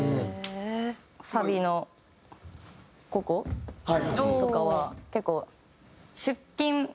サビのこことかは。